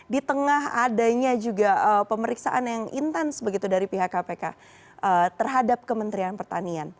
di tengah adanya juga pemeriksaan yang intens begitu dari pihak kpk terhadap kementerian pertanian